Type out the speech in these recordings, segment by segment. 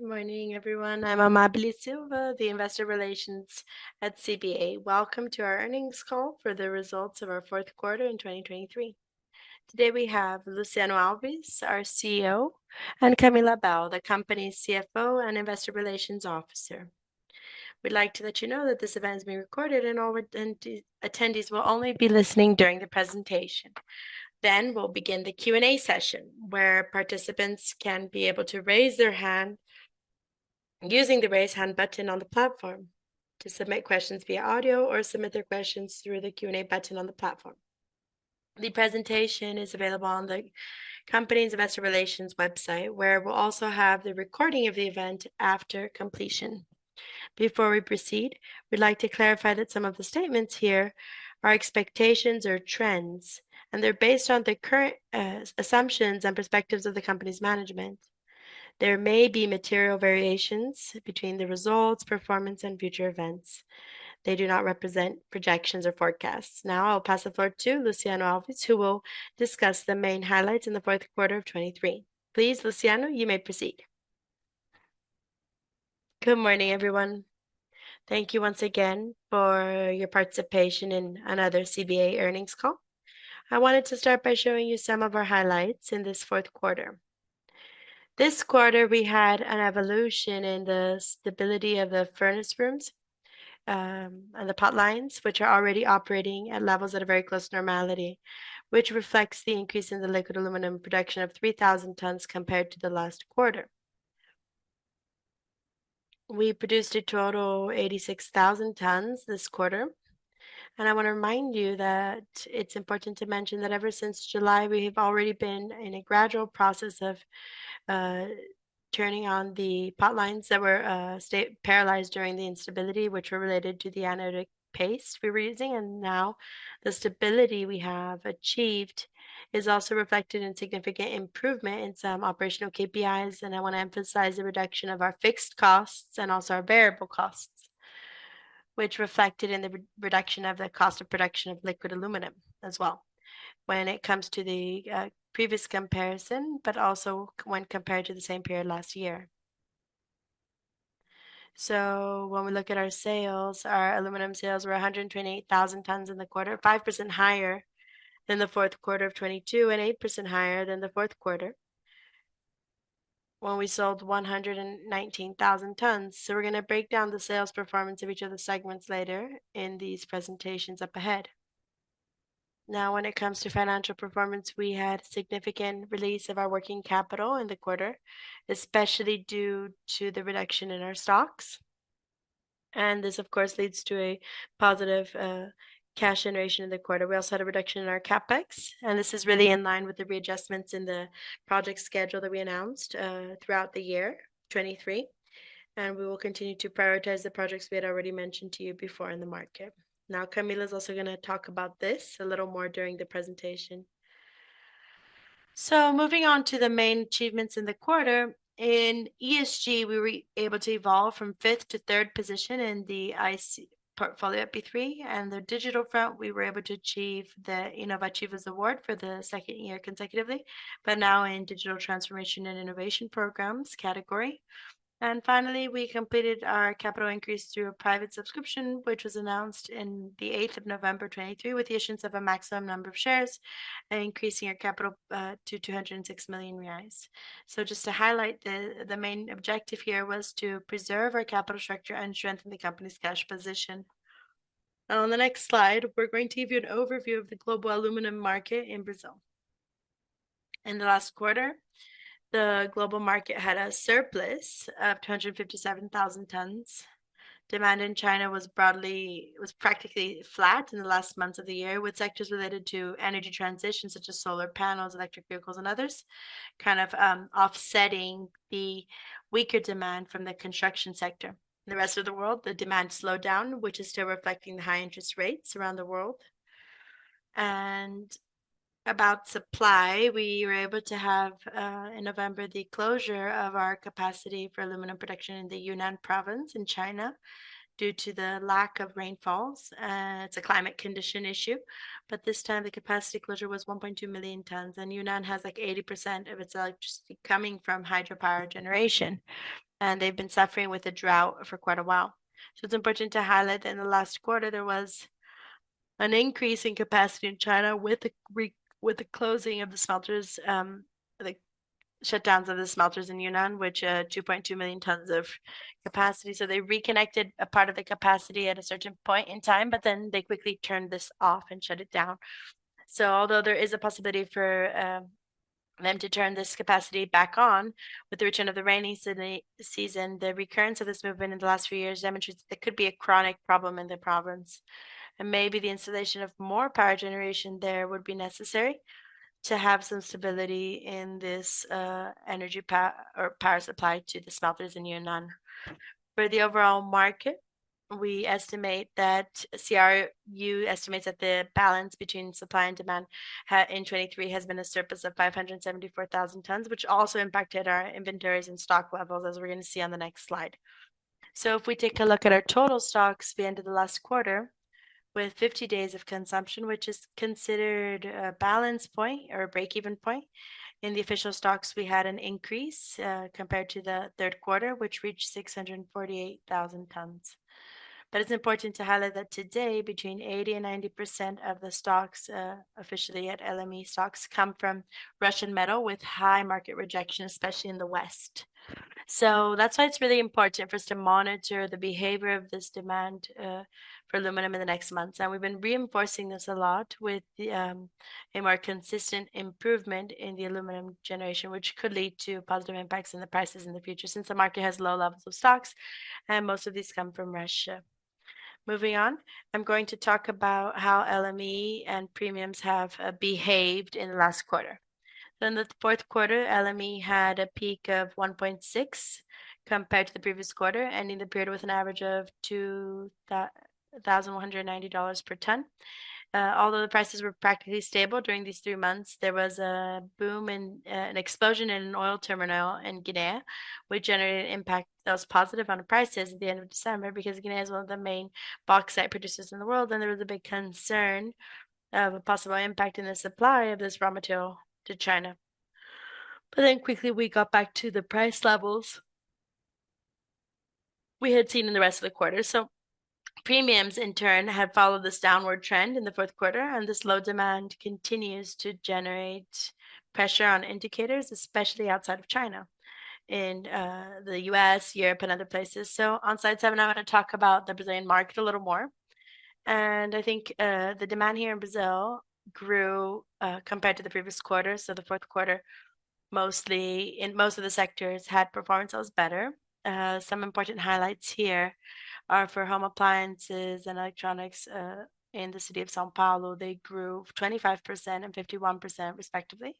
Good morning, everyone. I'm Amábile Silva, the Investor Relations at CBA. Welcome to our Earnings Call for the results of our fourth quarter in 2023. Today we have Luciano Alves, our CEO, and Camila Abel, the company's CFO and Investor Relations Officer. We'd like to let you know that this event is being recorded and all attendees will only be listening during the presentation. Then we'll begin the Q&A session where participants can be able to raise their hand using the raise hand button on the platform to submit questions via audio or submit their questions through the Q&A button on the platform. The presentation is available on the company's Investor Relations website, where we'll also have the recording of the event after completion. Before we proceed, we'd like to clarify that some of the statements here are expectations or trends, and they're based on the current assumptions and perspectives of the company's management. There may be material variations between the results, performance, and future events. They do not represent projections or forecasts. Now I'll pass the floor to Luciano Alves, who will discuss the main highlights in the fourth quarter of 2023. Please, Luciano, you may proceed. Good morning, everyone. Thank you once again for your participation in another CBA earnings call. I wanted to start by showing you some of our highlights in this fourth quarter. This quarter we had an evolution in the stability of the furnace rooms and the potlines, which are already operating at levels that are very close to normality, which reflects the increase in the liquid aluminum production of 3,000 tons compared to the last quarter. We produced a total of 86,000 tons this quarter, and I want to remind you that it's important to mention that ever since July we have already been in a gradual process of turning on the potlines that were paralyzed during the instability, which were related to the anodic paste we were using, and now the stability we have achieved is also reflected in significant improvement in some operational KPIs, and I want to emphasize the reduction of our fixed costs and also our variable costs, which reflected in the reduction of the cost of production of liquid aluminum as well when it comes to the previous comparison, but also when compared to the same period last year. So when we look at our sales, our aluminum sales were 128,000 tons in the quarter, 5% higher than the fourth quarter of 2022 and 8% higher than the fourth quarter when we sold 119,000 tons. So we're going to break down the sales performance of each of the segments later in these presentations up ahead. Now, when it comes to financial performance, we had a significant release of our working capital in the quarter, especially due to the reduction in our stocks, and this, of course, leads to a positive cash generation in the quarter. We also had a reduction in our CapEx, and this is really in line with the readjustments in the project schedule that we announced throughout the year 2023, and we will continue to prioritize the projects we had already mentioned to you before in the market. Now, Camila's also going to talk about this a little more during the presentation. Moving on to the main achievements in the quarter, in ESG we were able to evolve from fifth to third position in the ISE portfolio at B3, and on the digital front we were able to achieve the Inovativos Award for the second year consecutively, but now in Digital Transformation and Innovation Programs category. Finally, we completed our capital increase through a private subscription, which was announced on the 8th of November 2023 with the issuance of a maximum number of shares and increasing our capital to 206 million reais. Just to highlight, the main objective here was to preserve our capital structure and strengthen the company's cash position. Now, on the next slide, we're going to give you an overview of the global aluminum market in Brazil. In the last quarter, the global market had a surplus of 257,000 tons. Demand in China was practically flat in the last months of the year, with sectors related to energy transition such as solar panels, electric vehicles, and others kind of offsetting the weaker demand from the construction sector. In the rest of the world, the demand slowed down, which is still reflecting the high interest rates around the world. About supply, we were able to have, in November, the closure of our capacity for aluminum production in the Yunnan Province in China due to the lack of rainfalls. It's a climate condition issue, but this time the capacity closure was 1.2 million tons, and Yunnan has like 80% of its electricity coming from hydropower generation, and they've been suffering with a drought for quite a while. So it's important to highlight that in the last quarter there was an increase in capacity in China with the closing of the smelters, the shutdowns of the smelters in Yunnan, which 2.2 million tons of capacity. So they reconnected a part of the capacity at a certain point in time, but then they quickly turned this off and shut it down. So although there is a possibility for them to turn this capacity back on with the return of the rainy season, the recurrence of this movement in the last few years demonstrates that there could be a chronic problem in the province, and maybe the installation of more power generation there would be necessary to have some stability in this energy power supply to the smelters in Yunnan. For the overall market, we estimate that CRU estimates that the balance between supply and demand in 2023 has been a surplus of 574,000 tons, which also impacted our inventories and stock levels, as we're going to see on the next slide. So if we take a look at our total stocks at the end of the last quarter with 50 days of consumption, which is considered a balance point or a breakeven point, in the official stocks we had an increase compared to the third quarter, which reached 648,000 tons. But it's important to highlight that today between 80%-90% of the stocks officially at LME stocks come from Russian metal with high market rejection, especially in the West. So that's why it's really important for us to monitor the behavior of this demand for aluminum in the next months, and we've been reinforcing this a lot with a more consistent improvement in the aluminum generation, which could lead to positive impacts in the prices in the future since the market has low levels of stocks, and most of these come from Russia. Moving on, I'm going to talk about how LME and premiums have behaved in the last quarter. So in the fourth quarter, LME had a peak of 1.6% compared to the previous quarter ending the period with an average of $2,190 per ton. Although the prices were practically stable during these 3 months, there was a boom and an explosion in an oil terminal in Guinea, which generated an impact that was positive on prices at the end of December because Guinea is one of the main bauxite producers in the world, and there was a big concern of a possible impact in the supply of this raw material to China. But then quickly we got back to the price levels we had seen in the rest of the quarter. So premiums, in turn, had followed this downward trend in the fourth quarter, and this low demand continues to generate pressure on indicators, especially outside of China, in the U.S., Europe, and other places. So on slide 7, I want to talk about the Brazilian market a little more. And I think the demand here in Brazil grew compared to the previous quarter. The fourth quarter, mostly in most of the sectors, had performance that was better. Some important highlights here are for home appliances and electronics in the city of São Paulo, they grew 25% and 51%, respectively,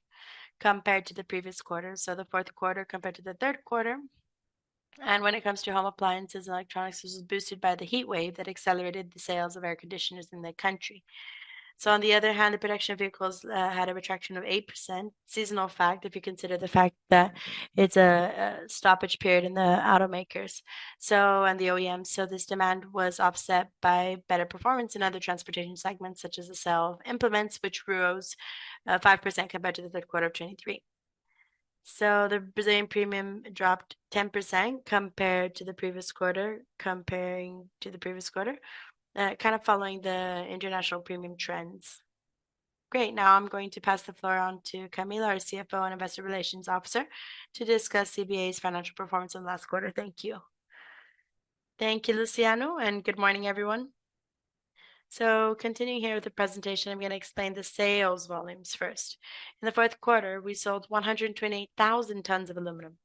compared to the previous quarter. The fourth quarter compared to the third quarter. When it comes to home appliances and electronics, this was boosted by the heat wave that accelerated the sales of air conditioners in the country. On the other hand, the production of vehicles had a retraction of 8%, seasonal fact if you consider the fact that it's a stoppage period in the automakers and the OEMs. This demand was offset by better performance in other transportation segments such as the agricultural implements, which rose 5% compared to the third quarter of 2023. So the Brazilian premium dropped 10% compared to the previous quarter, comparing to the previous quarter, kind of following the international premium trends. Great. Now I'm going to pass the floor on to Camila, our CFO and Investor Relations Officer, to discuss CBA's financial performance in the last quarter. Thank you. Thank you, Luciano, and good morning, everyone. So continuing here with the presentation, I'm going to explain the sales volumes first. In the fourth quarter, we sold 128,000 tons of aluminum,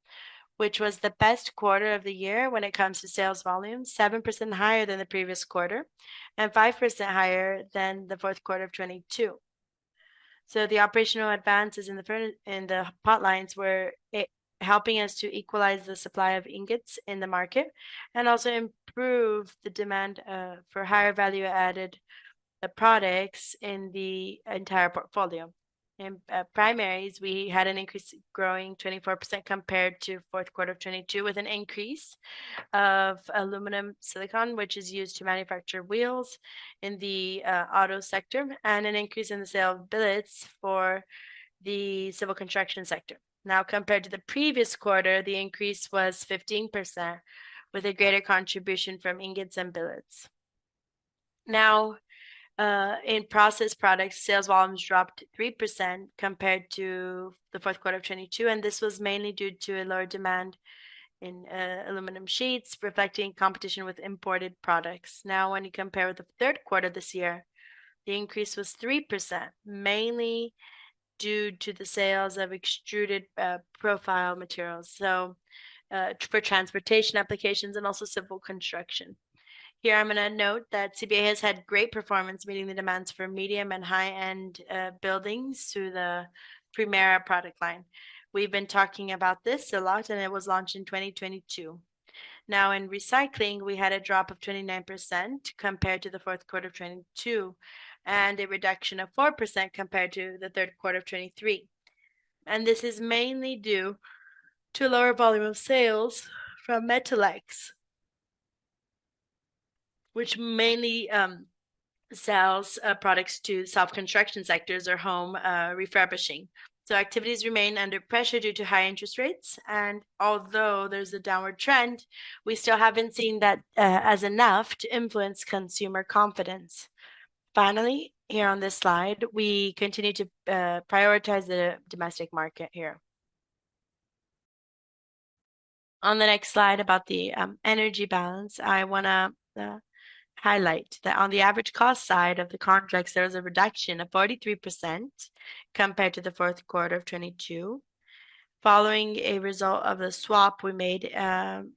which was the best quarter of the year when it comes to sales volumes, 7% higher than the previous quarter and 5% higher than the fourth quarter of 2022. So the operational advances in the potlines were helping us to equalize the supply of ingots in the market and also improve the demand for higher value-added products in the entire portfolio. In primaries, we had an increase growing 24% compared to the fourth quarter of 2022 with an increase of aluminum silicon, which is used to manufacture wheels in the auto sector, and an increase in the sale of billets for the civil construction sector. Now, compared to the previous quarter, the increase was 15% with a greater contribution from ingots and billets. Now, in Processed Products, sales volumes dropped 3% compared to the fourth quarter of 2022, and this was mainly due to a lower demand in aluminum sheets, reflecting competition with imported products. Now, when you compare with the third quarter this year, the increase was 3%, mainly due to the sales of extruded profile materials for transportation applications and also civil construction. Here, I'm going to note that CBA has had great performance meeting the demands for medium and high-end buildings through the Primora product line. We've been talking about this a lot, and it was launched in 2022. Now, in recycling, we had a drop of 29% compared to the fourth quarter of 2022 and a reduction of 4% compared to the third quarter of 2023. This is mainly due to a lower volume of sales from Metalex, which mainly sells products to the self construction sectors or home refurbishing. Activities remain under pressure due to high interest rates, and although there's a downward trend, we still haven't seen that as enough to influence consumer confidence. Finally, here on this slide, we continue to prioritize the domestic market here. On the next slide about the energy balance, I want to highlight that on the average cost side of the contracts, there was a reduction of 43% compared to the fourth quarter of 2022 following a result of the swap we made in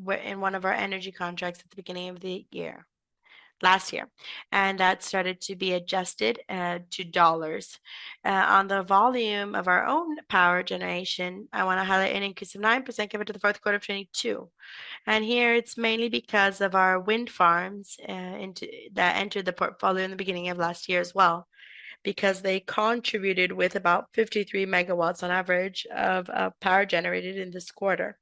one of our energy contracts at the beginning of the year last year, and that started to be adjusted to dollars. On the volume of our own power generation, I want to highlight an increase of 9% compared to the fourth quarter of 2022. And here, it's mainly because of our wind farms that entered the portfolio in the beginning of last year as well because they contributed with about 53 MW on average of power generated in this quarter.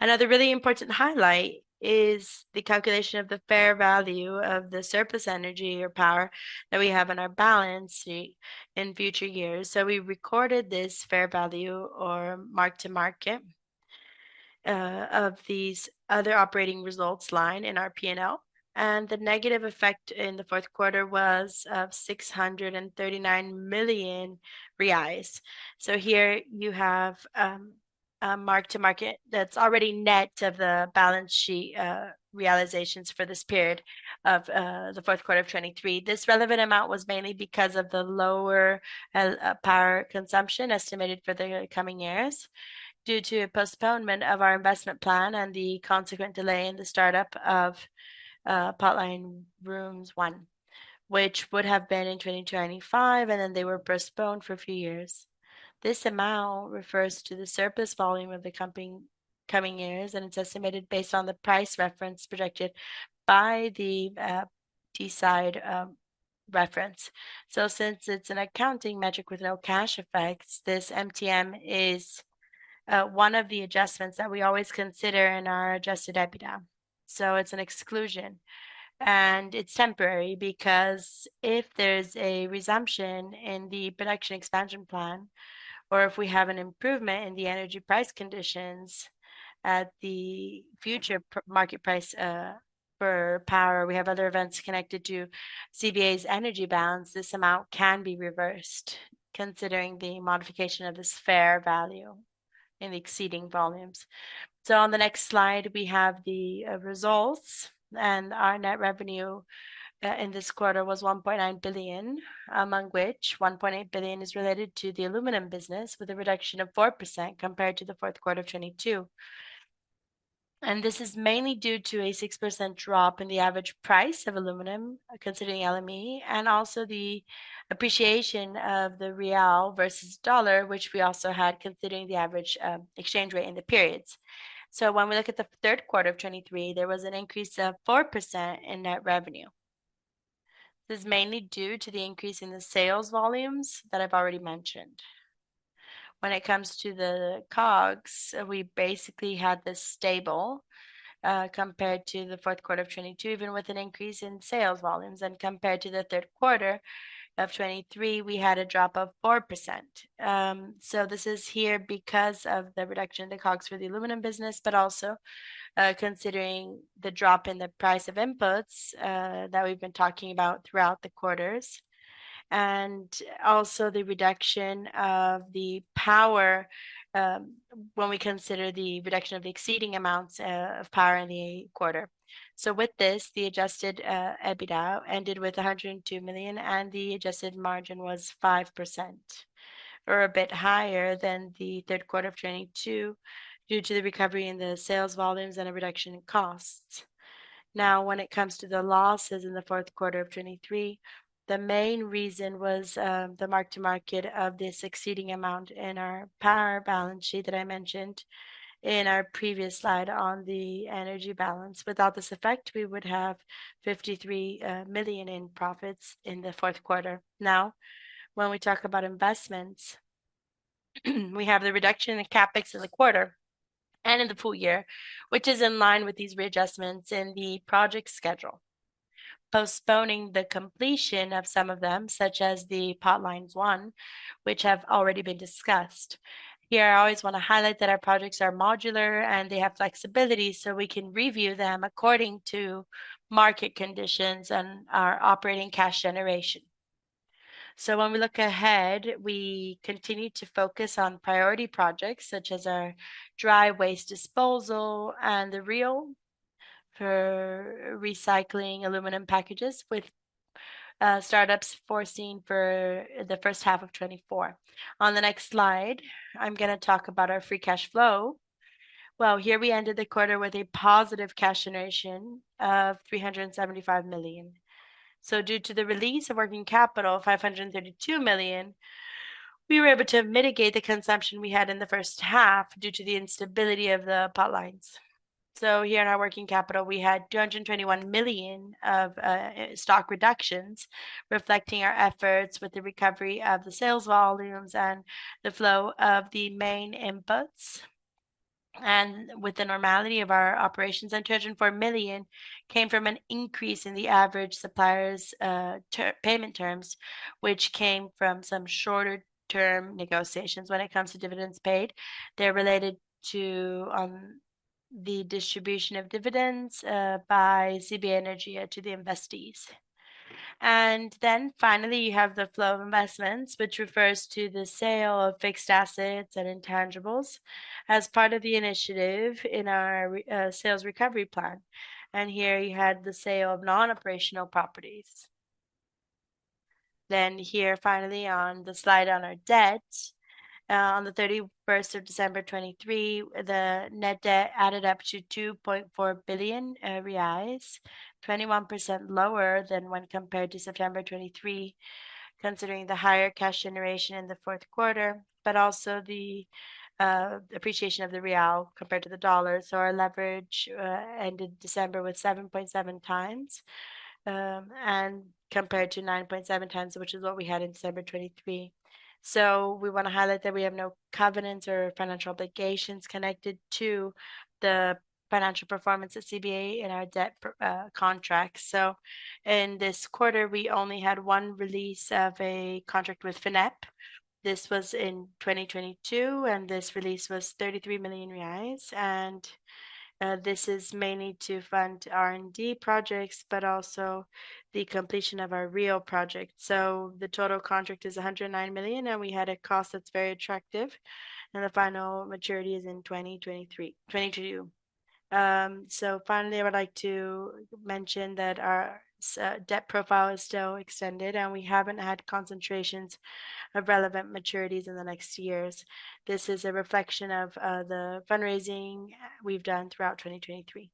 Another really important highlight is the calculation of the fair value of the surplus energy or power that we have in our balance sheet in future years. So we recorded this fair value or mark-to-market of these other operating results line in our P&L, and the negative effect in the fourth quarter was of 639 million reais. So here you have a mark-to-market that's already net of the balance sheet realizations for this period of the fourth quarter of 2023. This relevant amount was mainly because of the lower power consumption estimated for the coming years due to a postponement of our investment plan and the consequent delay in the startup of potline rooms 1, which would have been in 2025, and then they were postponed for a few years. This amount refers to the surplus volume of the coming years, and it's estimated based on the price reference projected by the DCIDE reference. Since it's an accounting metric with no cash effects, this MTM is one of the adjustments that we always consider in our adjusted EBITDA. It's an exclusion, and it's temporary because if there's a resumption in the production expansion plan or if we have an improvement in the energy price conditions at the future market price per power, we have other events connected to CBA's energy balance. This amount can be reversed considering the modification of this fair value in the exceeding volumes. On the next slide, we have the results, and our net revenue in this quarter was 1.9 billion, among which 1.8 billion is related to the aluminum business with a reduction of 4% compared to the fourth quarter of 2022. This is mainly due to a 6% drop in the average price of aluminum, considering LME, and also the appreciation of the BRL versus dollar, which we also had considering the average exchange rate in the periods. So when we look at the third quarter of 2023, there was an increase of 4% in net revenue. This is mainly due to the increase in the sales volumes that I've already mentioned. When it comes to the COGS, we basically had this stable compared to the fourth quarter of 2022, even with an increase in sales volumes. Compared to the third quarter of 2023, we had a drop of 4%. So this is here because of the reduction in the COGS for the aluminum business, but also considering the drop in the price of inputs that we've been talking about throughout the quarters, and also the reduction of the power when we consider the reduction of the exceeding amounts of power in the quarter. So with this, the adjusted EBITDA ended with 102 million, and the adjusted margin was 5% or a bit higher than the third quarter of 2022 due to the recovery in the sales volumes and a reduction in costs. Now, when it comes to the losses in the fourth quarter of 2023, the main reason was the mark-to-market of this exceeding amount in our power balance sheet that I mentioned in our previous slide on the energy balance. Without this effect, we would have 53 million in profits in the fourth quarter. Now, when we talk about investments, we have the reduction in the CapEx in the quarter and in the full year, which is in line with these readjustments in the project schedule, postponing the completion of some of them, such as the potlines one, which have already been discussed. Here, I always want to highlight that our projects are modular, and they have flexibility, so we can review them according to market conditions and our operating cash generation. So when we look ahead, we continue to focus on priority projects such as our Dry Waste Disposal and the ReAl for recycling aluminum packages with startups foreseen for the first half of 2024. On the next slide, I'm going to talk about our free cash flow. Well, here we ended the quarter with a positive cash generation of 375 million. Due to the release of working capital, 532 million, we were able to mitigate the consumption we had in the first half due to the instability of the potlines. Here in our working capital, we had 221 million of stock reductions, reflecting our efforts with the recovery of the sales volumes and the flow of the main inputs. With the normality of our operations, 104 million came from an increase in the average supplier's payment terms, which came from some shorter-term negotiations. When it comes to dividends paid, they're related to the distribution of dividends by CBA Energia to the investees. Then finally, you have the flow of investments, which refers to the sale of fixed assets and intangibles as part of the initiative in our sales recovery plan. Here you had the sale of non-operational properties. Then here, finally, on the slide on our debt, on the 31st of December 2023, the net debt added up to 2.4 billion reais, 21% lower than when compared to September 2023, considering the higher cash generation in the fourth quarter, but also the appreciation of the BRL compared to the dollar. So our leverage ended December with 7.7x and compared to 9.7x, which is what we had in December 2023. So we want to highlight that we have no covenants or financial obligations connected to the financial performance of CBA in our debt contracts. So in this quarter, we only had one release of a contract with Finep. This was in 2022, and this release was 33 million reais. And this is mainly to fund R&D projects, but also the completion of our ReAl project. So the total contract is $109 million, and we had a cost that's very attractive. And the final maturity is in 2022. So finally, I would like to mention that our debt profile is still extended, and we haven't had concentrations of relevant maturities in the next years. This is a reflection of the fundraising we've done throughout 2023.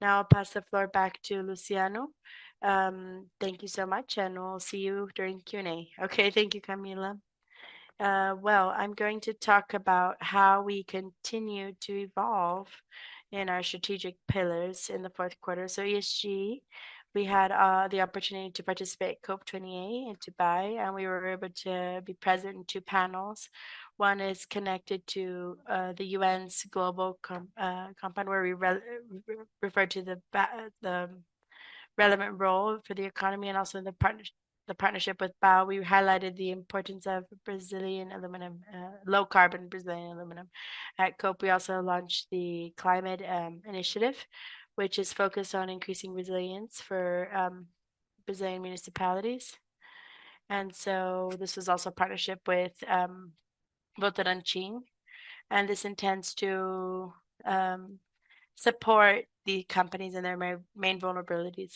Now I'll pass the floor back to Luciano. Thank you so much, and we'll see you during Q&A. Okay, thank you, Camila. Well, I'm going to talk about how we continue to evolve in our strategic pillars in the fourth quarter. So ESG, we had the opportunity to participate at COP28 in Dubai, and we were able to be present in two panels. One is connected to the UN Global Compact, where we refer to the relevant role for the economy and also the partnership with ABAL. We highlighted the importance of Brazilian aluminum, low-carbon Brazilian aluminum. At COP, we also launched the Climate Initiative, which is focused on increasing resilience for Brazilian municipalities. So this was also a partnership with Votorantim. And this intends to support the companies and their main vulnerabilities.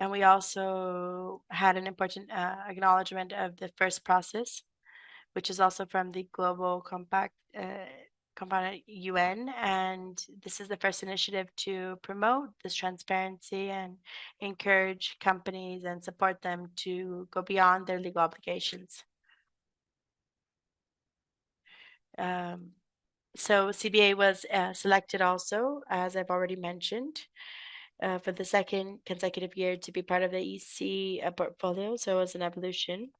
And we also had an important acknowledgment of the first process, which is also from the UN Global Compact. And this is the first initiative to promote this transparency and encourage companies and support them to go beyond their legal obligations. So CBA was selected also, as I've already mentioned, for the second consecutive year to be part of the ISE portfolio. So it was an evolution.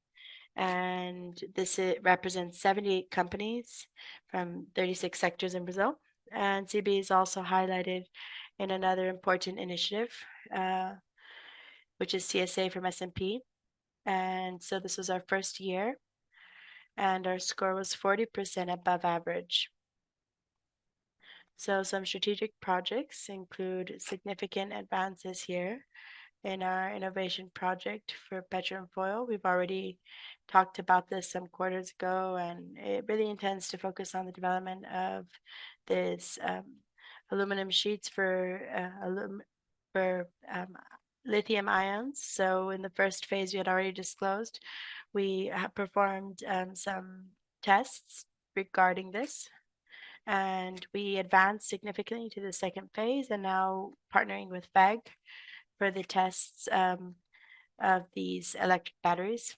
And this represents 78 companies from 36 sectors in Brazil. And CBA is also highlighted in another important initiative, which is CSA from S&P. This was our first year, and our score was 40% above average. Some strategic projects include significant advances here in our innovation project for battery foil. We've already talked about this some quarters ago, and it really intends to focus on the development of these aluminum sheets for lithium ions. In the first phase we had already disclosed, we performed some tests regarding this. And we advanced significantly to the second phase and now partnering with Finep for the tests of these electric batteries.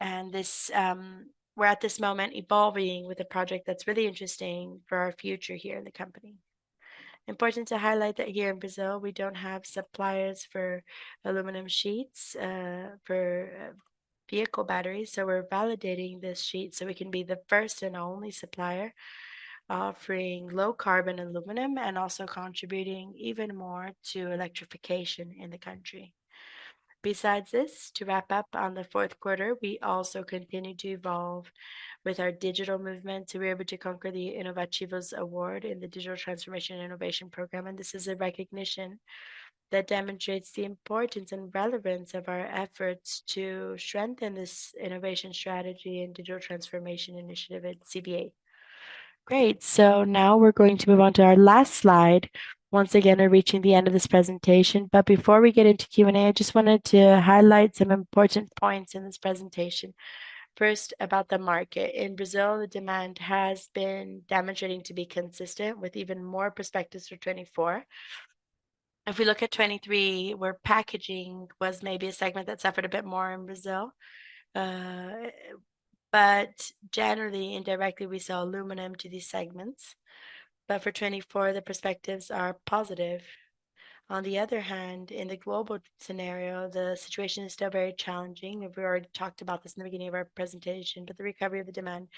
And we're at this moment evolving with a project that's really interesting for our future here in the company. Important to highlight that here in Brazil, we don't have suppliers for aluminum sheets for vehicle batteries. So we're validating this sheet so we can be the first and only supplier offering low-carbon aluminum and also contributing even more to electrification in the country. Besides this, to wrap up on the fourth quarter, we also continue to evolve with our digital movement. So we're able to conquer the Inovativos Award in the Digital Transformation Innovation Program. And this is a recognition that demonstrates the importance and relevance of our efforts to strengthen this innovation strategy and digital transformation initiative at CBA. Great. So now we're going to move on to our last slide. Once again, we're reaching the end of this presentation. But before we get into Q&A, I just wanted to highlight some important points in this presentation. First, about the market. In Brazil, the demand has been demonstrating to be consistent with even more prospects for 2024. If we look at 2023, where packaging was maybe a segment that suffered a bit more in Brazil. Generally, indirectly, we saw aluminum to these segments. For 2024, the prospects are positive. On the other hand, in the global scenario, the situation is still very challenging. We already talked about this in the beginning of our presentation, but the recovery of the demand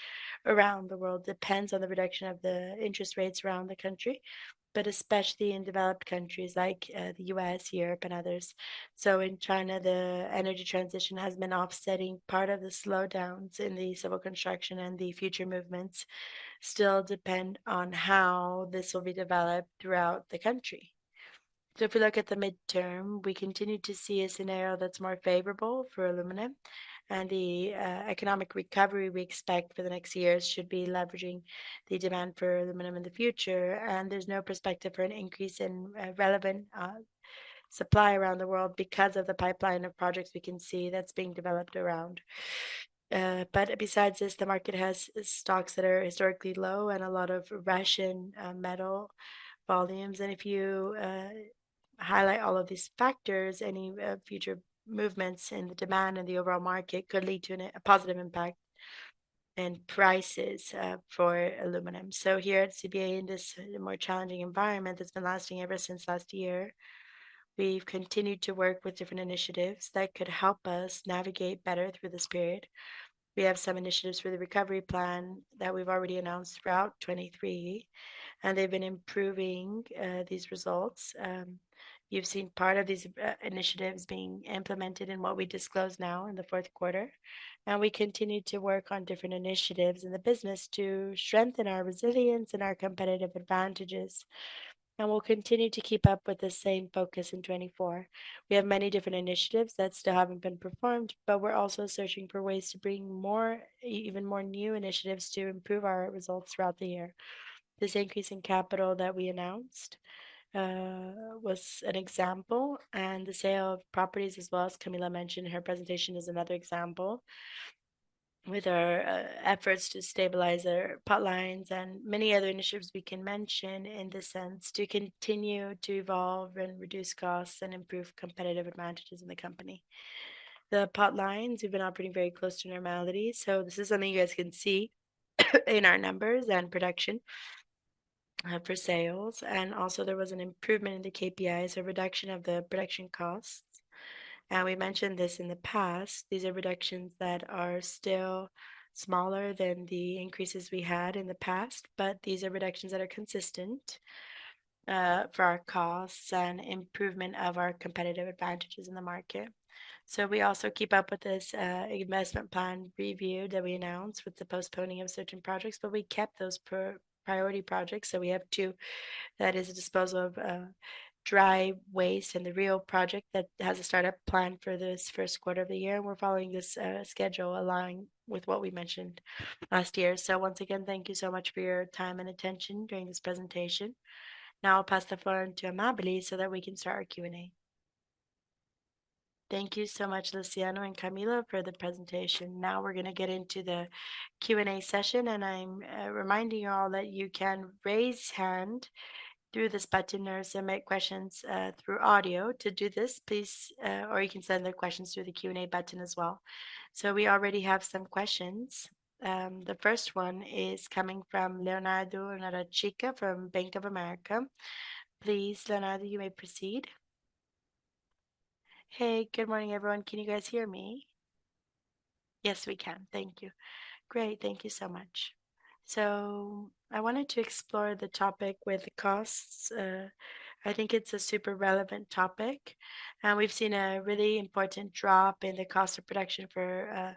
around the world depends on the reduction of the interest rates around the country, but especially in developed countries like the U.S., Europe, and others. In China, the energy transition has been offsetting part of the slowdowns in the civil construction, and the future movements still depend on how this will be developed throughout the country. If we look at the midterm, we continue to see a scenario that's more favorable for aluminum. The economic recovery we expect for the next years should be leveraging the demand for aluminum in the future. There's no perspective for an increase in relevant supply around the world because of the pipeline of projects we can see that's being developed around. Besides this, the market has stocks that are historically low and a lot of Russian metal volumes. If you highlight all of these factors, any future movements in the demand and the overall market could lead to a positive impact in prices for aluminum. Here at CBA, in this more challenging environment that's been lasting ever since last year, we've continued to work with different initiatives that could help us navigate better through this period. We have some initiatives for the recovery plan that we've already announced throughout 2023, and they've been improving these results. You've seen part of these initiatives being implemented in what we disclose now in the fourth quarter. We continue to work on different initiatives in the business to strengthen our resilience and our competitive advantages. We'll continue to keep up with the same focus in 2024. We have many different initiatives that still haven't been performed, but we're also searching for ways to bring even more new initiatives to improve our results throughout the year. This increase in capital that we announced was an example. The sale of properties, as well as Camila mentioned in her presentation, is another example with our efforts to stabilize our potlines and many other initiatives we can mention in this sense to continue to evolve and reduce costs and improve competitive advantages in the company. The potlines, we've been operating very close to normality. So this is something you guys can see in our numbers and production for sales. Also, there was an improvement in the KPIs, a reduction of the production costs. We mentioned this in the past. These are reductions that are still smaller than the increases we had in the past, but these are reductions that are consistent for our costs and improvement of our competitive advantages in the market. We also keep up with this investment plan review that we announced with the postponing of certain projects, but we kept those priority projects. We have two, that is, Dry Waste Disposal and the ReAl Project that has a startup plan for this first quarter of the year. We're following this schedule aligned with what we mentioned last year. Once again, thank you so much for your time and attention during this presentation. Now I'll pass the floor on to Amábile so that we can start our Q&A. Thank you so much, Luciano and Camila, for the presentation. Now we're going to get into the Q&A session. I'm reminding you all that you can raise your hand through this button or submit questions through audio. To do this, please or you can send the questions through the Q&A button as well. So we already have some questions. The first one is coming from Leonardo Neratika from Bank of America. Please, Leonardo, you may proceed. Hey, good morning, everyone. Can you guys hear me? Yes, we can. Thank you. Great. Thank you so much. So I wanted to explore the topic with the costs. I think it's a super relevant topic. We've seen a really important drop in the cost of production for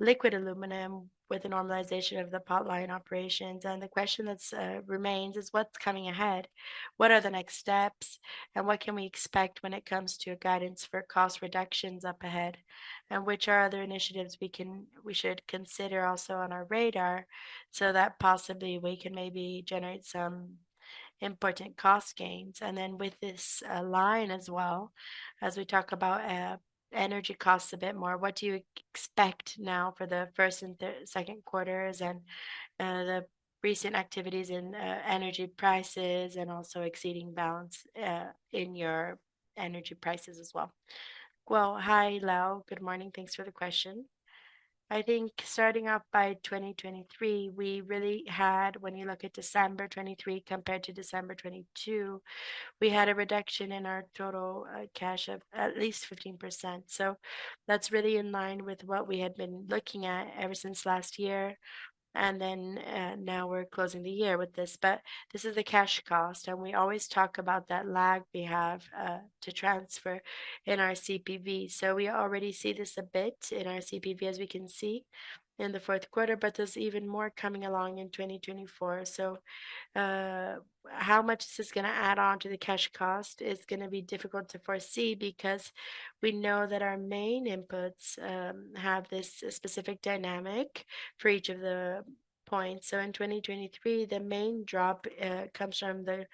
liquid aluminum with the normalization of the potline operations. And the question that remains is, what's coming ahead? What are the next steps? And what can we expect when it comes to guidance for cost reductions up ahead? And which are other initiatives we should consider also on our radar so that possibly we can maybe generate some important cost gains? And then with this line as well, as we talk about energy costs a bit more, what do you expect now for the first and second quarters and the recent activities in energy prices and also exceeding balance in your energy prices as well? Well, hi, Leo. Good morning. Thanks for the question. I think starting off by 2023, we really had, when you look at December 2023 compared to December 2022, we had a reduction in our total cash of at least 15%. So that's really in line with what we had been looking at ever since last year. And then now we're closing the year with this. But this is the cash cost. And we always talk about that lag we have to transfer in our CPV. So we already see this a bit in our CPV, as we can see, in the fourth quarter. But there's even more coming along in 2024. So how much this is going to add on to the cash cost is going to be difficult to foresee because we know that our main inputs have this specific dynamic for each of the points. So in 2023, the main drop comes from the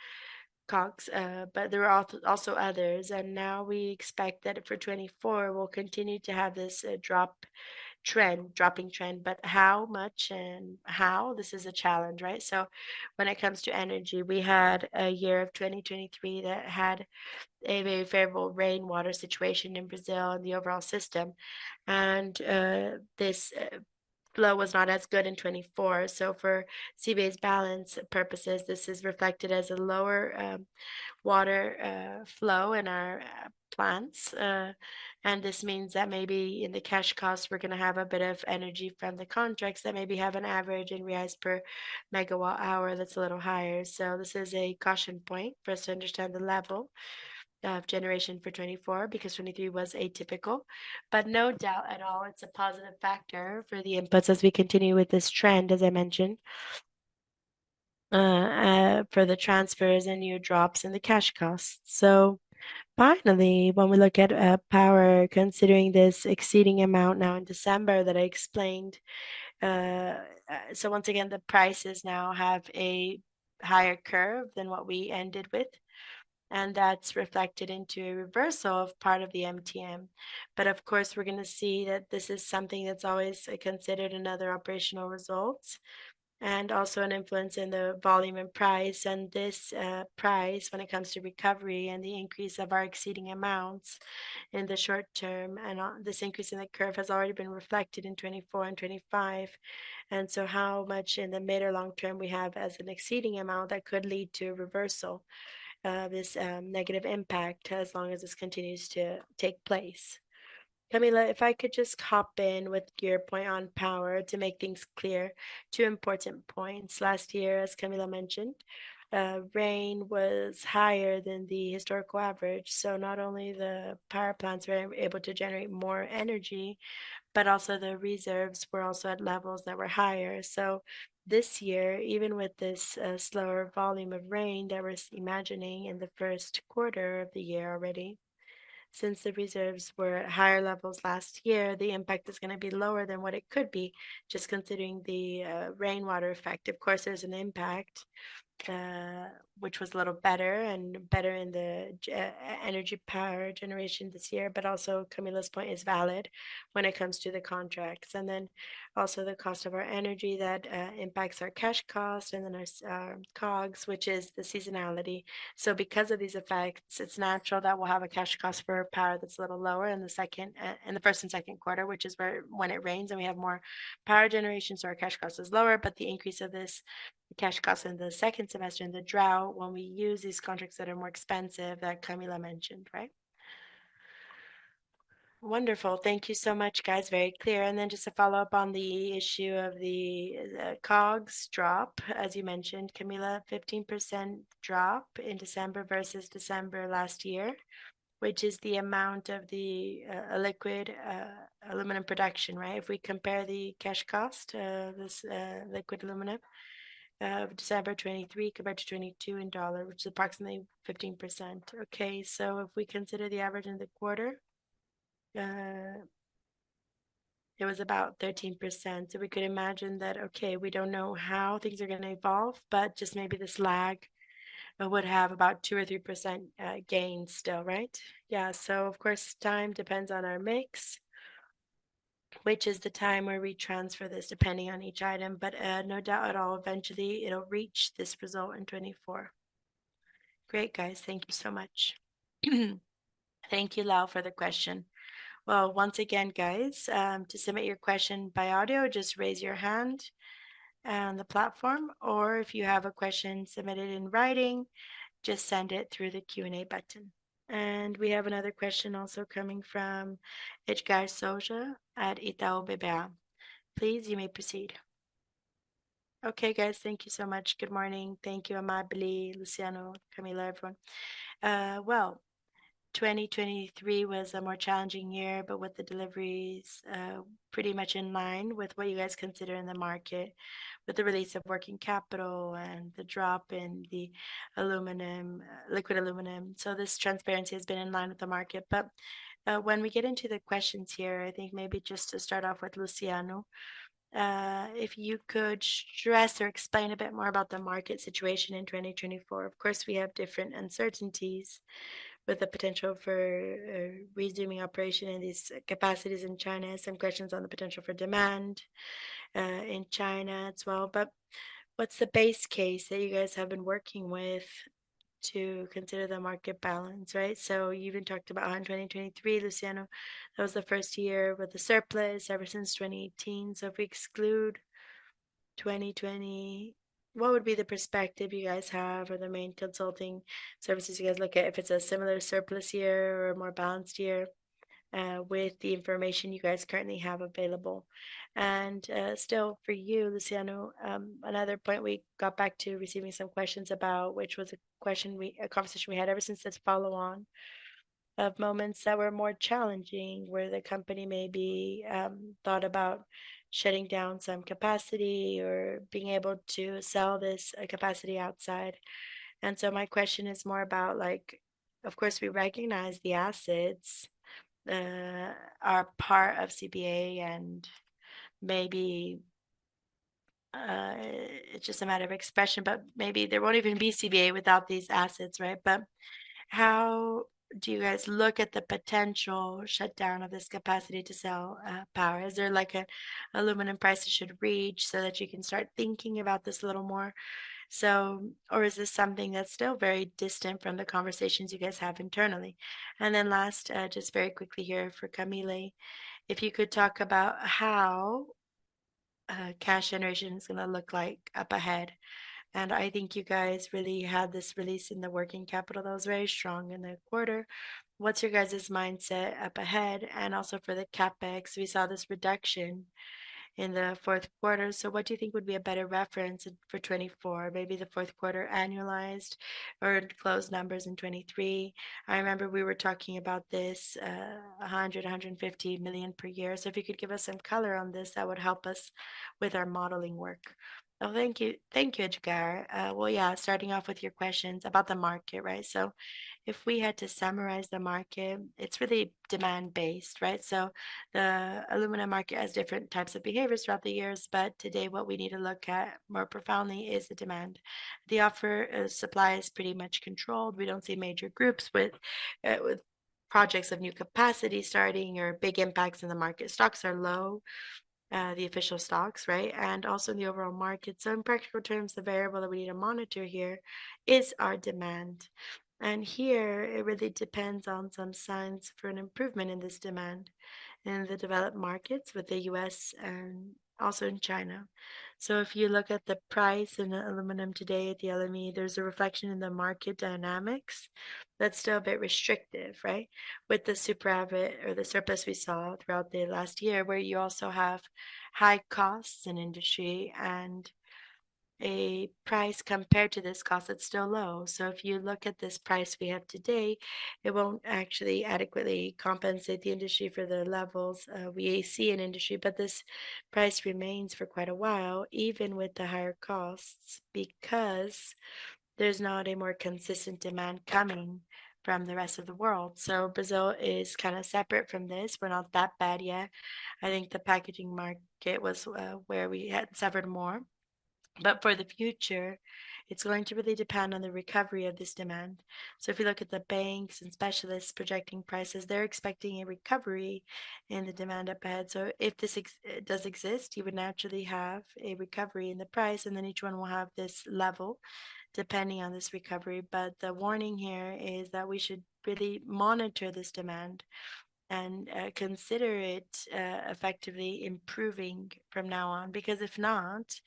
COGS, but there were also others. And now we expect that for 2024, we'll continue to have this drop trend, dropping trend. But how much and how, this is a challenge, right? So when it comes to energy, we had a year of 2023 that had a very favorable rainwater situation in Brazil and the overall system. And this flow was not as good in 2024. So for CBA's balance purposes, this is reflected as a lower water flow in our plants. And this means that maybe in the cash costs, we're going to have a bit of energy from the contracts that maybe have an average price per megawatt hour that's a little higher. So this is a caution point for us to understand the level of generation for 2024 because 2023 was atypical. But no doubt at all, it's a positive factor for the inputs as we continue with this trend, as I mentioned, for the transfers and new drops in the cash costs. So finally, when we look at power, considering this exceeding amount now in December that I explained, so once again, the prices now have a higher curve than what we ended with. And that's reflected into a reversal of part of the MTM. But of course, we're going to see that this is something that's always considered another operational result and also an influence in the volume and price. And this price, when it comes to recovery and the increase of our exceeding amounts in the short term, and this increase in the curve has already been reflected in 2024 and 2025. And so, how much in the mid-term or long-term we have as an exceeding amount that could lead to a reversal of this negative impact as long as this continues to take place? Camila, if I could just hop in with your point on power to make things clear, two important points. Last year, as Camila mentioned, rain was higher than the historical average. So not only were the power plants able to generate more energy, but also the reserves were also at levels that were higher. So this year, even with this slower volume of rain that we're imagining in the first quarter of the year already, since the reserves were at higher levels last year, the impact is going to be lower than what it could be just considering the rainwater effect. Of course, there's an impact, which was a little better and better in the energy power generation this year. But also, Camila's point is valid when it comes to the contracts. And then also the cost of our energy that impacts our cash cost and then our COGS, which is the seasonality. So because of these effects, it's natural that we'll have a cash cost for power that's a little lower in the first and second quarter, which is where when it rains and we have more power generation, so our cash cost is lower. But the increase of this cash cost in the second semester and the drought, when we use these contracts that are more expensive that Camila mentioned, right? Wonderful. Thank you so much, guys. Very clear. Then just to follow up on the issue of the COGS drop, as you mentioned, Camila, 15% drop in December versus December last year, which is the amount of the liquid aluminum production, right? If we compare the cash cost, this liquid aluminum of December 2023 compared to 2022 in dollar, which is approximately 15%. Okay. So if we consider the average in the quarter, it was about 13%. So we could imagine that, okay, we don't know how things are going to evolve, but just maybe this lag would have about 2 or 3% gain still, right? Yeah. So of course, time depends on our mix, which is the time where we transfer this depending on each item. But no doubt at all, eventually, it'll reach this result in 2024. Great, guys. Thank you so much. Thank you, Leo, for the question. Well, once again, guys, to submit your question by audio, just raise your hand on the platform. Or if you have a question submitted in writing, just send it through the Q&A button. And we have another question also coming from Edgard Souza at Itaú BBA. Please, you may proceed. Okay, guys. Thank you so much. Good morning. Thank you, Amábile, Luciano, Camila, everyone. Well, 2023 was a more challenging year, but with the deliveries pretty much in line with what you guys consider in the market with the release of working capital and the drop in the liquid aluminum. So this transparency has been in line with the market. But when we get into the questions here, I think maybe just to start off with Luciano, if you could stress or explain a bit more about the market situation in 2024. Of course, we have different uncertainties with the potential for resuming operation in these capacities in China, some questions on the potential for demand in China as well. But what's the base case that you guys have been working with to consider the market balance, right? So you've been talking about 2023, Luciano. That was the first year with a surplus ever since 2018. So if we exclude 2020, what would be the perspective you guys have or the main consulting services you guys look at if it's a similar surplus year or a more balanced year with the information you guys currently have available? Still for you, Luciano, another point we got back to receiving some questions about, which was a question, a conversation we had ever since this follow-on of moments that were more challenging where the company maybe thought about shutting down some capacity or being able to sell this capacity outside. So my question is more about, of course, we recognize the assets are part of CBA, and maybe it's just a matter of expression, but maybe there won't even be CBA without these assets, right? But how do you guys look at the potential shutdown of this capacity to sell power? Is there an aluminum price it should reach so that you can start thinking about this a little more? Or is this something that's still very distant from the conversations you guys have internally? And then last, just very quickly here for Camila, if you could talk about how cash generation is going to look like up ahead. And I think you guys really had this release in the working capital. That was very strong in the quarter. What's your guys' mindset up ahead? And also for the CapEx, we saw this reduction in the fourth quarter. So what do you think would be a better reference for 2024, maybe the fourth quarter annualized or closed numbers in 2023? I remember we were talking about this, 100 million-150 million per year. So if you could give us some color on this, that would help us with our modeling work. Well, thank you. Thank you, Edgard. Well, yeah, starting off with your questions about the market, right? So if we had to summarize the market, it's really demand-based, right? So the aluminum market has different types of behaviors throughout the years. But today, what we need to look at more profoundly is the demand. The supply is pretty much controlled. We don't see major groups with projects of new capacity starting or big impacts in the market. Stocks are low, the official stocks, right? And also in the overall market. So in practical terms, the variable that we need to monitor here is our demand. And here, it really depends on some signs for an improvement in this demand in the developed markets with the U.S. and also in China. So if you look at the price in aluminum today at the LME, there's a reflection in the market dynamics that's still a bit restrictive, right? With the surplus we saw throughout the last year where you also have high costs in industry and a price compared to this cost that's still low. So if you look at this price we have today, it won't actually adequately compensate the industry for the levels we see in industry. But this price remains for quite a while, even with the higher costs, because there's not a more consistent demand coming from the rest of the world. So Brazil is kind of separate from this. We're not that bad yet. I think the packaging market was where we had suffered more. But for the future, it's going to really depend on the recovery of this demand. So if you look at the banks and specialists projecting prices, they're expecting a recovery in the demand up ahead. So if this does exist, you would naturally have a recovery in the price. And then each one will have this level depending on this recovery. But the warning here is that we should really monitor this demand and consider it effectively improving from now on. Because if not,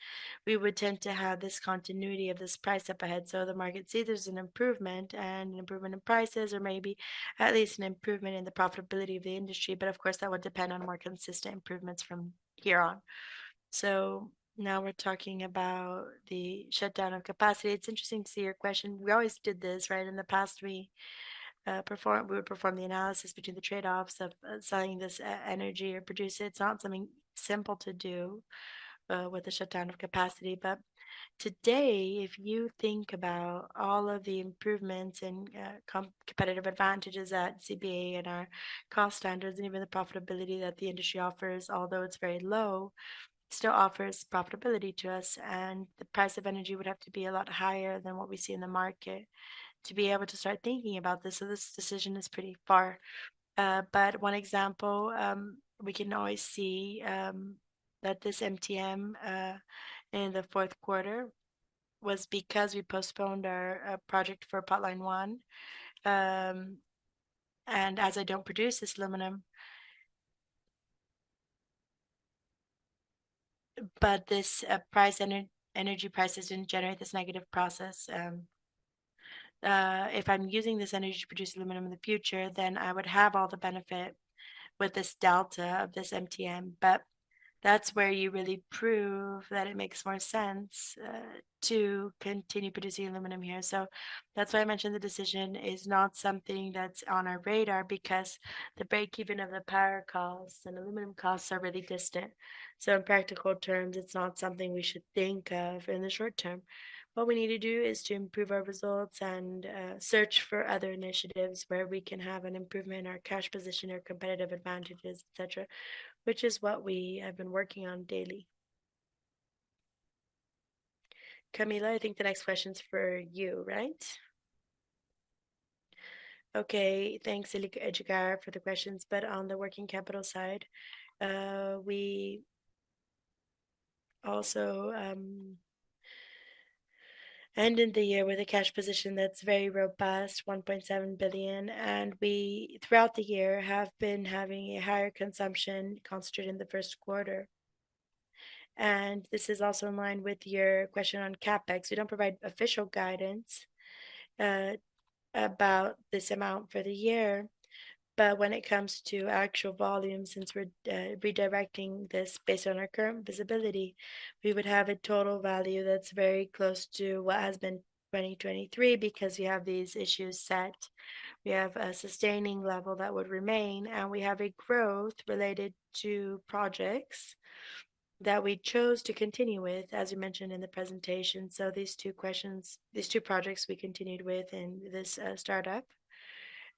we would tend to have this continuity of this price up ahead. So the market sees there's an improvement and an improvement in prices or maybe at least an improvement in the profitability of the industry. But of course, that would depend on more consistent improvements from here on. So now we're talking about the shutdown of capacity. It's interesting to see your question. We always did this, right? In the past, we would perform the analysis between the trade-offs of selling this energy or producing. It's not something simple to do with the shutdown of capacity. But today, if you think about all of the improvements and competitive advantages at CBA and our cost standards and even the profitability that the industry offers, although it's very low, still offers profitability to us. And the price of energy would have to be a lot higher than what we see in the market to be able to start thinking about this. So this decision is pretty far. But one example, we can always see that this MTM in the fourth quarter was because we postponed our project for potline one. And as I don't produce this aluminum, but this energy price doesn't generate this negative process. If I'm using this energy to produce aluminum in the future, then I would have all the benefit with this delta of this MTM. But that's where you really prove that it makes more sense to continue producing aluminum here. So that's why I mentioned the decision is not something that's on our radar because the breakeven of the power costs and aluminum costs are really distant. So in practical terms, it's not something we should think of in the short term. What we need to do is to improve our results and search for other initiatives where we can have an improvement in our cash position or competitive advantages, etc., which is what we have been working on daily. Camila, I think the next question's for you, right? Okay. Thanks, Edgard, for the questions. But on the working capital side, we also ended the year with a cash position that's very robust, 1.7 billion. And throughout the year, have been having a higher consumption concentrated in the first quarter. And this is also in line with your question on CapEx. We don't provide official guidance about this amount for the year. But when it comes to actual volume, since we're redirecting this based on our current visibility, we would have a total value that's very close to what has been 2023 because we have these issues set. We have a sustaining level that would remain. And we have a growth related to projects that we chose to continue with, as you mentioned in the presentation. So these two projects we continued with in this startup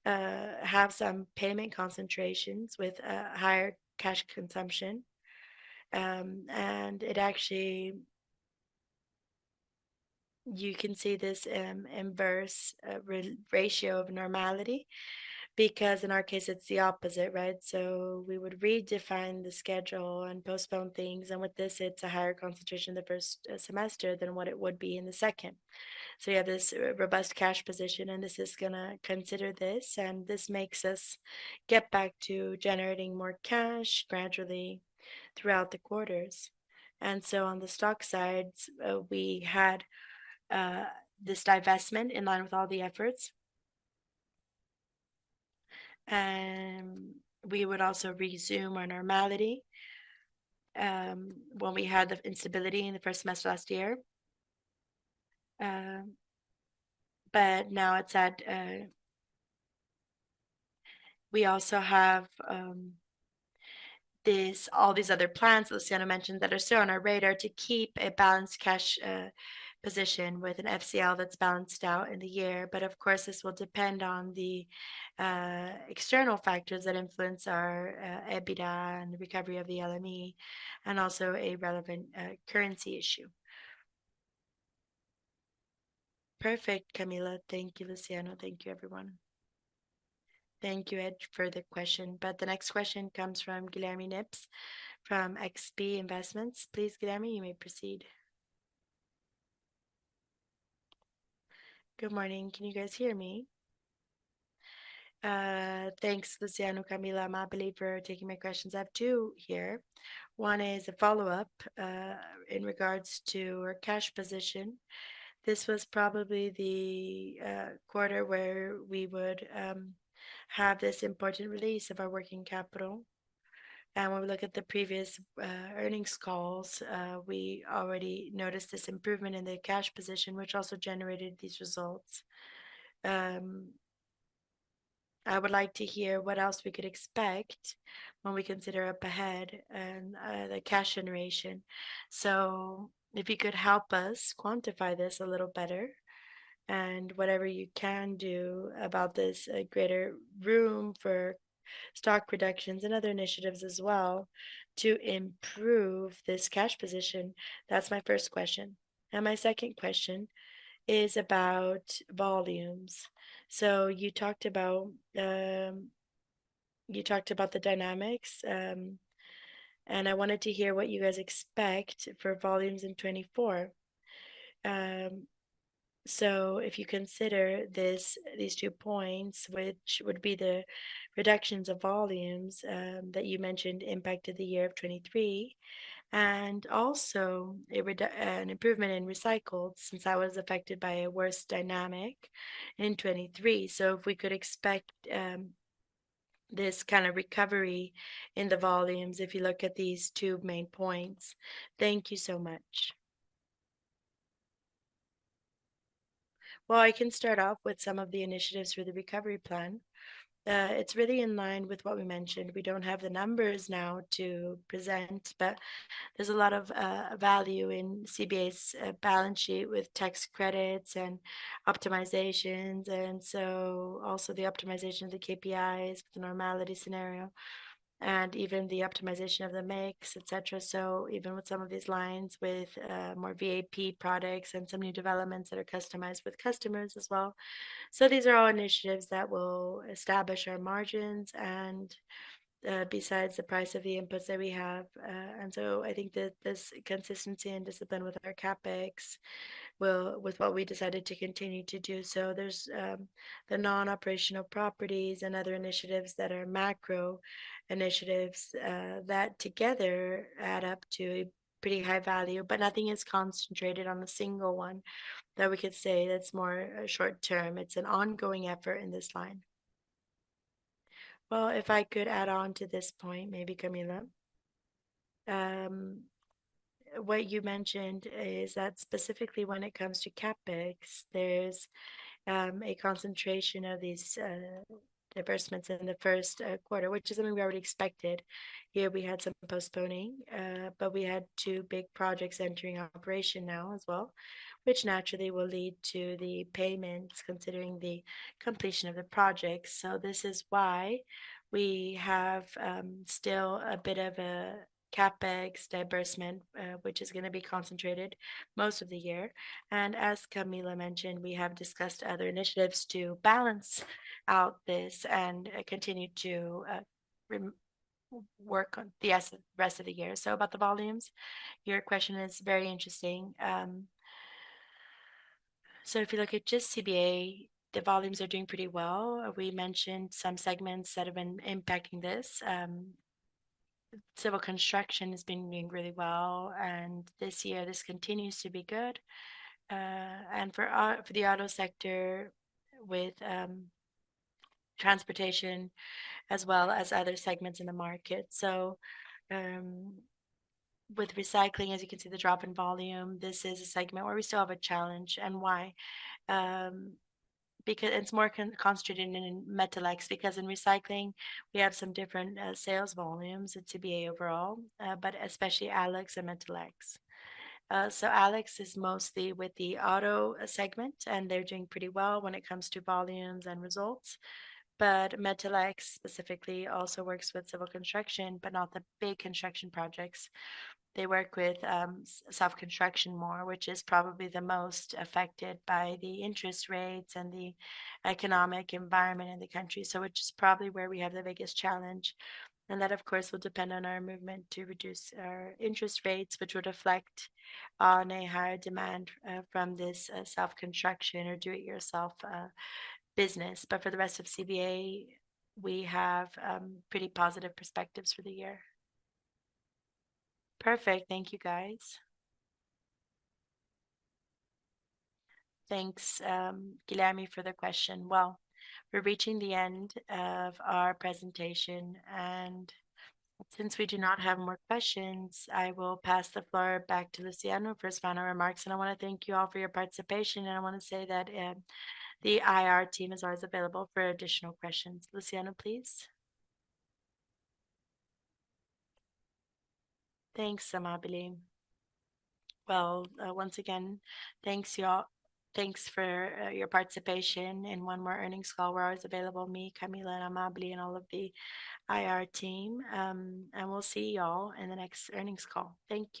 have some payment concentrations with higher cash consumption. And you can see this inverse ratio of normality because in our case, it's the opposite, right? So we would redefine the schedule and postpone things. And with this, it's a higher concentration in the first semester than what it would be in the second. So you have this robust cash position. This is going to consider this. This makes us get back to generating more cash gradually throughout the quarters. So on the stock side, we had this divestment in line with all the efforts. We would also resume our normality when we had the instability in the first semester last year. But now we also have all these other plans that Luciano mentioned that are still on our radar to keep a balanced cash position with an FCL that's balanced out in the year. But of course, this will depend on the external factors that influence our EBITDA and the recovery of the LME and also a relevant currency issue. Perfect, Camila. Thank you, Luciano. Thank you, everyone. Thank you, Ed, for the question. The next question comes from Guilherme Nippes from XP Investments. Please, Guilherme, you may proceed. Good morning. Can you guys hear me? Thanks, Luciano, Camila, Amábile, for taking my questions. I have two here. One is a follow-up in regards to our cash position. This was probably the quarter where we would have this important release of our working capital. When we look at the previous earnings calls, we already noticed this improvement in the cash position, which also generated these results. I would like to hear what else we could expect when we consider up ahead and the cash generation. So if you could help us quantify this a little better and whatever you can do about this greater room for stock reductions and other initiatives as well to improve this cash position, that's my first question. My second question is about volumes. So you talked about the dynamics. I wanted to hear what you guys expect for volumes in 2024. So if you consider these two points, which would be the reductions of volumes that you mentioned impacted the year of 2023 and also an improvement in recycled since that was affected by a worse dynamic in 2023. So if we could expect this kind of recovery in the volumes if you look at these two main points. Thank you so much. Well, I can start off with some of the initiatives for the recovery plan. It's really in line with what we mentioned. We don't have the numbers now to present, but there's a lot of value in CBA's balance sheet with tax credits and optimizations. And so also the optimization of the KPIs for the normality scenario and even the optimization of the makes, etc. So even with some of these lines with more VAP products and some new developments that are customized with customers as well. So, these are all initiatives that will establish our margins besides the price of the inputs that we have. And so I think that this consistency and discipline with our CapEx will with what we decided to continue to do. So, there's the non-operational properties and other initiatives that are macro initiatives that together add up to a pretty high value. But nothing is concentrated on a single one that we could say that's more short-term. It's an ongoing effort in this line. Well, if I could add on to this point, maybe Camila, what you mentioned is that specifically when it comes to CapEx, there's a concentration of these disbursements in the first quarter, which is something we already expected. Here, we had some postponing, but we had two big projects entering operation now as well, which naturally will lead to the payments considering the completion of the project. So this is why we have still a bit of a CapEx disbursement, which is going to be concentrated most of the year. As Camila mentioned, we have discussed other initiatives to balance out this and continue to work on the rest of the year. So about the volumes, your question is very interesting. So if you look at just CBA, the volumes are doing pretty well. We mentioned some segments that have been impacting this. Civil construction has been doing really well. And this year, this continues to be good. And for the auto sector with transportation as well as other segments in the market. So with recycling, as you can see the drop in volume, this is a segment where we still have a challenge. And why? Because it's more concentrated in Metalex. Because in recycling, we have some different sales volumes at CBA overall, but especially Alux and Metalex. So Alux is mostly with the auto segment, and they're doing pretty well when it comes to volumes and results. But Metalex specifically also works with civil construction, but not the big construction projects. They work with self-construction more, which is probably the most affected by the interest rates and the economic environment in the country. So, which is probably where we have the biggest challenge. And that, of course, will depend on our movement to reduce our interest rates, which would reflect on a higher demand from this self-construction or do-it-yourself business. But for the rest of CBA, we have pretty positive perspectives for the year. Perfect. Thank you, guys. Thanks, Guilherme, for the question. Well, we're reaching the end of our presentation. Since we do not have more questions, I will pass the floor back to Luciano for his final remarks. I want to thank you all for your participation. I want to say that the IR team is always available for additional questions. Luciano, please. Thanks, Amábile. Well, once again, thanks to you all. Thanks for your participation. And one more earnings call. We're always available, me, Camila, and Amábile, and all of the IR team. And we'll see you all in the next Earnings Call. Thank you.